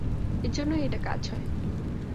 এজন্যই এটায় কাজ হয়।